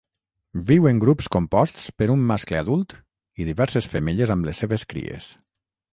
Viu en grups composts per un mascle adult i diverses femelles amb les seves cries.